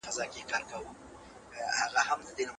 په سياست کي د خلکو ګډون اړين دی.